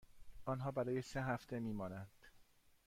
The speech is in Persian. آنها برای سه هفته می مانند.